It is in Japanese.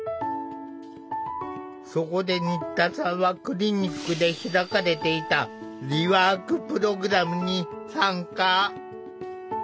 そこで新田さんはクリニックで開かれていたリワークプログラムに参加。